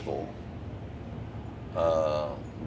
ada usulan juga dari unesco